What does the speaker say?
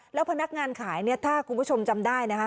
แล้วพนักงานขายเนี่ยถ้าคุณผู้ชมจำได้นะคะ